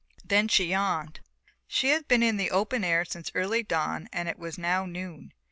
Then she yawned. She had been in the open air since early dawn and it was now noon.